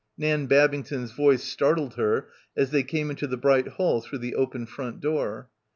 Nan Babington's voice startled her as they came into the bright hall through the open front door.